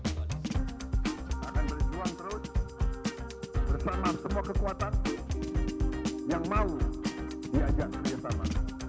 akan berjuang terus bersama semua kekuatan yang mau diajak kerjasama